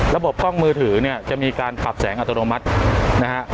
กล้องมือถือเนี่ยจะมีการขับแสงอัตโนมัตินะฮะ